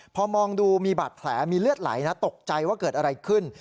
พอมองดูมีบาดแผลมีเลือดไหลนะตกใจว่าเกิดอะไรขึ้น